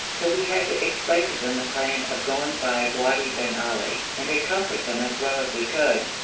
So we had to explain to them the plan of going by Wadi bin Ali, and to comfort them as well as we could.